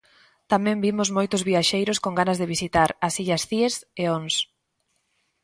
Tamén vimos moitos viaxeiros con ganas de visitar as illas Cíes e Ons.